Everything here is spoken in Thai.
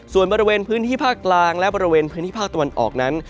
ส่วนบริเวณพื้นที่ภาคกลางและบริเวณพื้นที่ภาคตะวันออกนั้น